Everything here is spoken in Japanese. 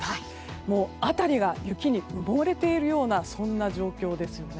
もう辺りが雪に埋もれているようなそんな状況ですよね。